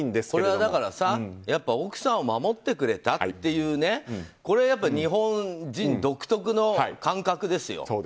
これはだから奥さんを守ってくれたっていうこれは日本人独特の感覚ですよ。